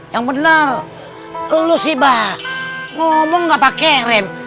yang benar lu si bah ngomong gak pake rem